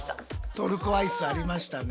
トルコアイスありましたね。